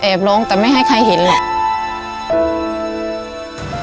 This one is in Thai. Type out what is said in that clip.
เอ็บลงแต่ไม่ให้ใครเห็นเลย